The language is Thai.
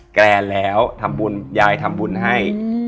เเกรงแล้วยายทำบุญให้